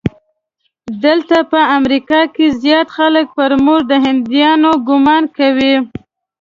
دلته په امریکا کې زیات خلک پر موږ د هندیانو ګومان کوي.